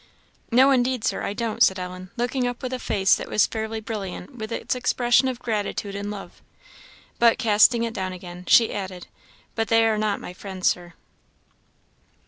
"No, indeed, Sir, I don't," said Ellen, looking up with a face that was fairly brilliant with its expression of gratitude and love. But, casting it down again, she added, "But they are not my friends, Sir."